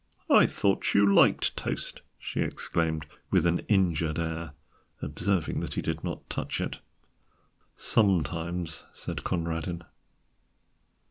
"I thought you liked toast," she exclaimed, with an injured air, observing that he did not touch it. "Sometimes," said Conradin.